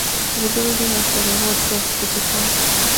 Rebuilding after the war proved difficult.